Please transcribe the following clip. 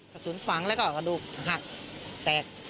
กระสุนฝังแล้วก็กระดูกหักแตก